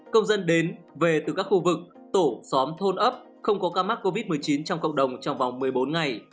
công dân đến về từ các khu vực tổ xóm thôn ấp không có ca mắc covid một mươi chín trong cộng đồng trong vòng một mươi bốn ngày